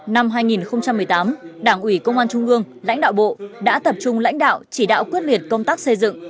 năm hai nghìn một mươi tám đảng ủy công an trung ương lãnh đạo bộ đã tập trung lãnh đạo chỉ đạo quyết liệt công tác xây dựng